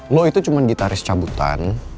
lo itu cuma gitaris cabutan